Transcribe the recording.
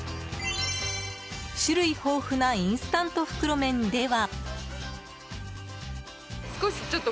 種類豊富なインスタント袋麺では。